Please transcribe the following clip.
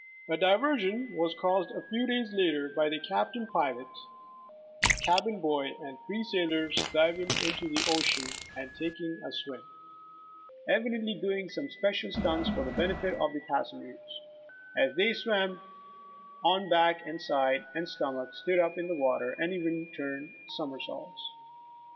A diversion was caused a few days later by the Cap tain, pilot, cabin boy and three sailors diving into the ocean and taking a swim, evidently doing some spe cial stunts for the benefit of the passengers, as they ''swam on back, and side, and stomach, stood up in the water, and even turned somersaults."